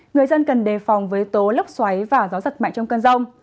người dân cần đề phòng với tố lốc xoáy và gió giật mạnh trong cơn rông